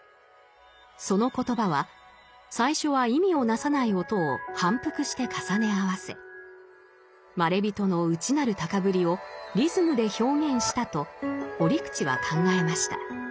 その言葉は最初は意味をなさない音を反復して重ね合わせまれびとの内なる高ぶりをリズムで表現したと折口は考えました。